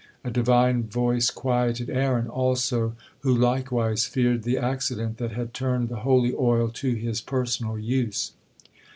A Divine voice quieted Aaron, also, who likewise feared the accident that had turned the holy oil to his personal use.